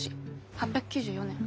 ８９４年。